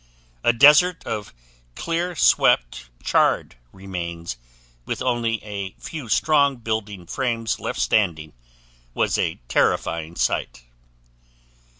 A desert of clear swept, charred remains, with only a few strong building frames left standing was a terrifying sight.